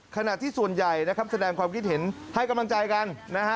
ขณะที่ส่วนใหญ่นะครับแสดงความคิดเห็นให้กำลังใจกันนะฮะ